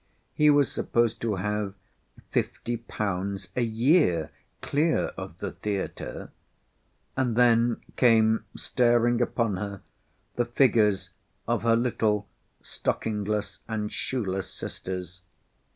He was supposed to have fifty pounds a year clear of the theatre. And then came staring upon her the figures of her little stockingless and shoeless sisters.